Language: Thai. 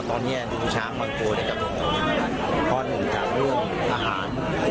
ตอนนี้ช้างมักโกโกในการปลูกรักกอาหาร